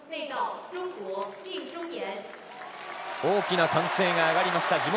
大きな歓声が上がりました